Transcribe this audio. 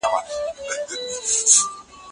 په نسب کي ګډوډي د یووالي مخه نیسي.